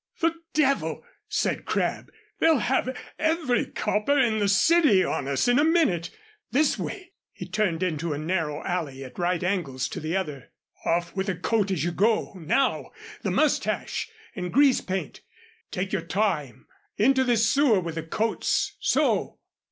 "The devil!" said Crabb. "They'll have every copper in the city on us in a minute. This way." He turned into a narrow alley at right angles to the other. "Off with the coat as you go now, the mustache and grease paint. Take your time. Into this sewer with the coats. So!"